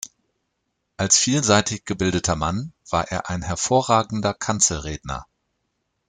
Als vielseitig gebildeter Mann war er ein hervorragender Kanzelredner.